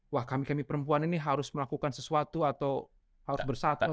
wah kami kami perempuan ini harus melakukan sesuatu atau harus bersatu